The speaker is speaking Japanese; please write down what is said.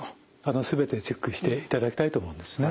全てチェックしていただきたいと思うんですね。